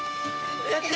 やった！